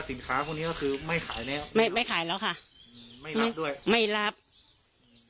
สินค้าพวกนี้ก็คือไม่ขายแล้วไม่ไม่ขายแล้วค่ะอืมไม่รับด้วยไม่รับอืม